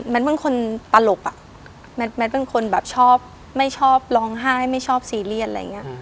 เป็นคนตลกอะแมทเป็นคนแบบชอบไม่ชอบร้องไห้ไม่ชอบซีเรียสอะไรอย่างนี้